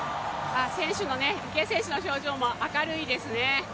池江選手の表情も明るいですね。